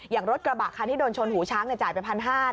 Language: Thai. อย่างรถกระบะคันที่โดนชนหูช้างจ่ายไป๑๕๐๐บาท